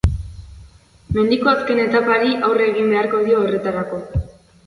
Mendiko azken etapari aurre egin beharko dio horretarako.